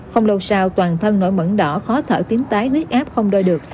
không lâu sau toàn thân nổi mẫn đỏ khó thở tiến tái huyết áp không đôi được